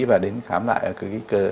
và đến khám lại cái